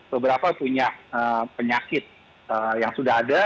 beberapa punya penyakit yang sudah ada